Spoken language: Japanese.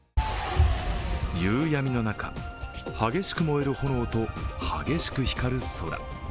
夕闇の中、激しく燃える炎と激しく光る空。